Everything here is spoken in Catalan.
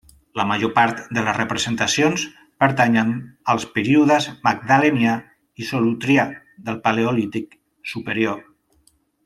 La major part de les representacions pertanyen als períodes Magdalenià i Solutrià del Paleolític Superior.